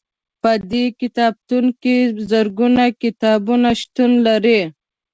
په دې کتابتون کې زرګونه کتابونه شتون لري.